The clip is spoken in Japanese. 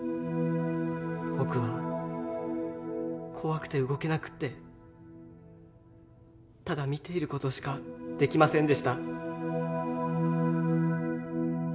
僕は怖くて動けなくてただ見ている事しかできませんでした。